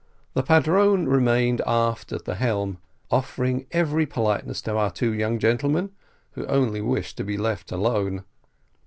The padrone remained aft at the helm, offering every politeness to our two young gentlemen, who only wished to be left alone.